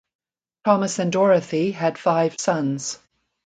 Thomas and Dorothy had five sons.